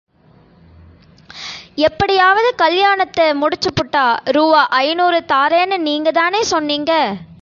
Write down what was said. எப்படியாவது கல்யாணத்தே முடிச்சுப்புட்டா ரூவா ஐநூறு தாரென்னு நீங்கதானே சொன்னீங்க!